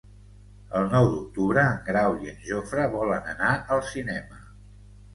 El nou d'octubre en Grau i en Jofre volen anar al cinema.